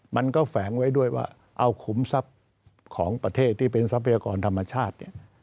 มันก็แฝงไว้ด้วยว่าเอาขุมทรัพย์ของประเทศที่เป็นทรัพยากรธรรมชาติ